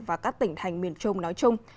và các tỉnh thành miền trung nói chung